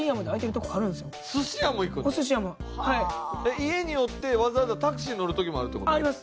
家におってわざわざタクシー乗る時もあるって事？あります。